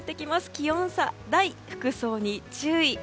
気温差大服装に注意。